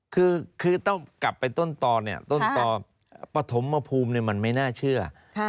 คือต้องกลับไปต้นตอนเนี่ยต้นต่อปฐมภูมิมันไม่น่าเชื่อ